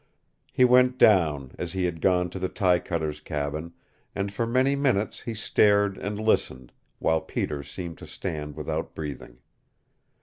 He went down, as he had gone to the tie cutter's cabin, and for many minutes he stared and listened, while Peter seemed to stand without breathing.